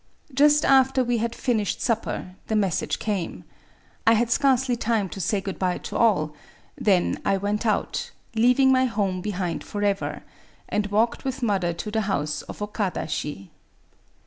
Just after we had finished supper, the message came. I had scarcely time to say good by to all: then I went out, — leaving my home behind forever, — and walked with mother to the house of Okada Shi.